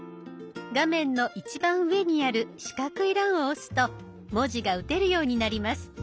画面の一番上にある四角い欄を押すと文字が打てるようになります。